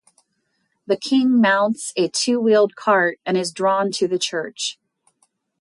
The king mounts a two-wheeled cart and is drawn to the church.